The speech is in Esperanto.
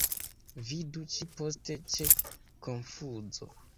Vidu ĉi-poste ĉe Konfuzo.